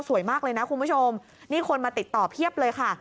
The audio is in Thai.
สวยมากเลยนะคุณผู้ชมนี่คนมาติดต่อเพียบเลยค่ะ